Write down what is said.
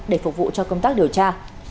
để phục vụ cho công tác điều tra